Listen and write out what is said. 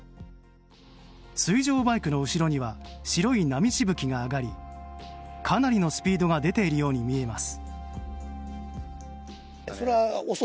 水上バイクの後ろには白い波しぶきが上がりかなりのスピードが出ているように見えます。